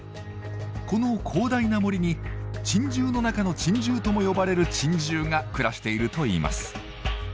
この広大な森に珍獣の中の珍獣とも呼ばれる珍獣が暮らしているといいます。